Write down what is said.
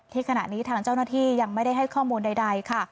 ขณะนี้ทางเจ้าหน้าที่ยังไม่ได้ให้ข้อมูลใดค่ะ